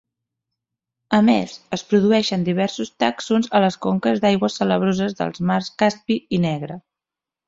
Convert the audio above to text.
A més, es produeixen diversos tàxons a les conques d'aigües salabroses dels mars Caspi i Negre.